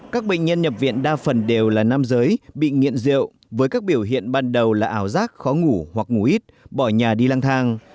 các bệnh nhân nhập viện đa phần đều là nam giới bị nghiện rượu với các biểu hiện ban đầu là ảo giác khó ngủ hoặc ngủ ít bỏ nhà đi lang thang